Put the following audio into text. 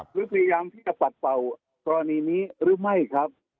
หรือพยายามที่จะปัดเป่ากรณีนี้หรือไม่ครับ